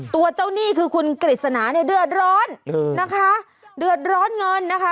ตัวเจ้าหนี้คือคุณกฤษณาเนี่ยเดือดร้อนนะคะเดือดร้อนเงินนะคะ